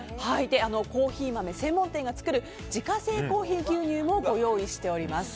コーヒー豆専門店が作る自家製コーヒー牛乳もご用意しております。